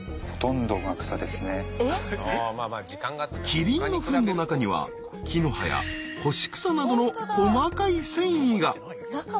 キリンのフンの中には木の葉や干し草などの細かい繊維が。